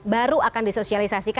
baru akan disosialisasi